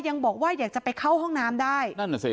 ยังบอกว่าอยากจะไปเข้าห้องน้ำได้